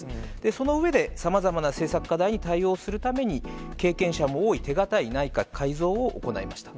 その上で、さまざまな政策課題に対応するために、経験者も多い手堅い内閣改造を行いました。